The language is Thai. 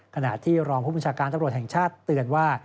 ขณะที่รองผู้บัญชาการตำรวจแห่งชาติเตือนว่า